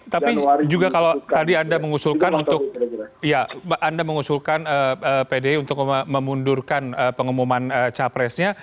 tapi juga kalau tadi anda mengusulkan untuk memundurkan pengumuman capresnya